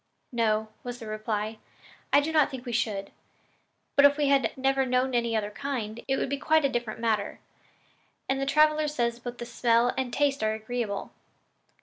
"No," was the reply, "I do not think we should; but if we had never known any other kind, it would be quite a different matter, and the traveler says that both smell and taste are agreeable.